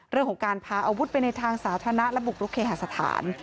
เรื่องของการพาอาวุธไปในทางสาธารณะและบุกรุกเคหาสถาน